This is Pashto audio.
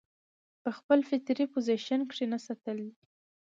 پۀ خپل فطري پوزيشن کښې نۀ ساتل دي